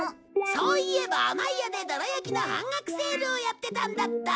そういえば甘井屋でどら焼きの半額セールをやってたんだった！